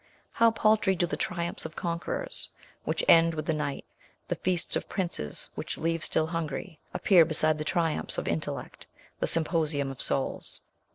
How paltry do the triumphs of conquerors which end with the night, the feasts of princes which leave still hungry, appear beside the triumphs of intellect, the sym posium of souls.